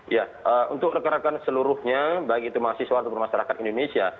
ya untuk rekan rekan seluruhnya baik itu mahasiswa ataupun masyarakat indonesia